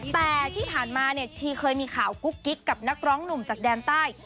แต่ที่ผ่านมาเนี่ยชีเคยมีข่าวกุ๊กกิ๊กกับนักร้องหนุ่มจากแดนใต้